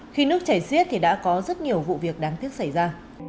khi nước chảy xiết thì đã có rất nhiều vụ việc đáng tiếc xảy ra